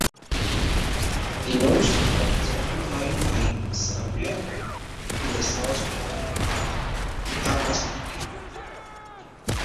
The north part is occupied by Saguayapa and the south part by Apastepeque.